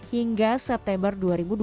hingga september dua ribu dua puluh